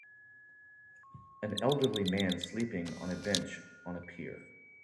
An elderly man sleeping on a bench on a pier.